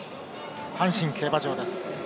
阪神競馬場です。